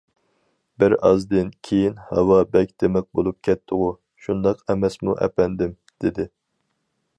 بىر ئازدىن كېيىن:« ھاۋا بەك دىمىق بولۇپ كەتتىغۇ، شۇنداق ئەمەسمۇ ئەپەندىم!» دېدى.